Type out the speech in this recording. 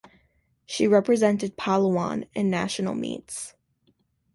She represented Palawan in national meets.